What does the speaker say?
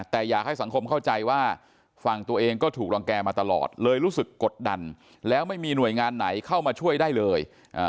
แต่อยากให้สังคมเข้าใจว่าฝั่งตัวเองก็ถูกรังแก่มาตลอดเลยรู้สึกกดดันแล้วไม่มีหน่วยงานไหนเข้ามาช่วยได้เลย